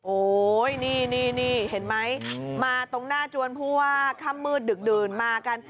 โอ๊ยนี่เห็นไหมมาตรงหน้าจวนผู้ว่าค่ำมืดดึกดื่นมากัน